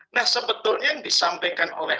nah sebetulnya yang disampaikan oleh